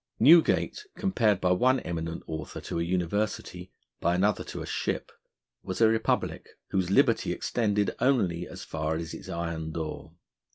Newgate, compared by one eminent author to a university, by another to a ship, was a republic, whose liberty extended only so far as its iron door.